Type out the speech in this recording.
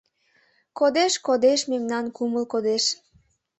Кодеш, кодеш, мемнан кумыл кодеш.